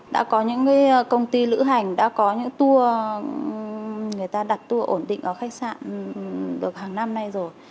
đã có những công ty lữ hành đã có những tour người ta đặt tour ổn định ở khách sạn được hàng năm nay rồi